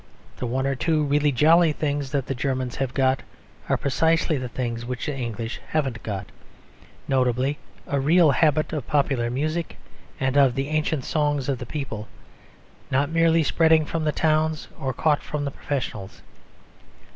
The one or two really jolly things that the Germans have got are precisely the things which the English haven't got: notably a real habit of popular music and of the ancient songs of the people, not merely spreading from the towns or caught from the professionals.